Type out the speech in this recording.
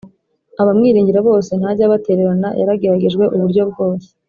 abamwiringira bose ntajya abatererana yarageragejwe uburyo bwose